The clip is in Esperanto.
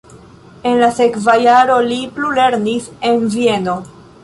En la sekva jaro li plulernis en Vieno.